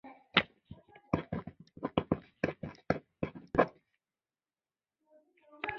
而赢得最轻松的是三破世界纪录的刘春红。